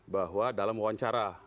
bahwa dalam wawancara